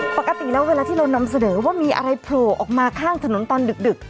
ปกติแล้วเวลาที่เรานำเสนอว่ามีอะไรโผล่ออกมาข้างถนนตอนดึก